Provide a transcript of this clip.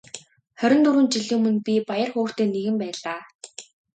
Хорин дөрвөн жилийн өмнө би баяр хөөртэй нэгэн байлаа.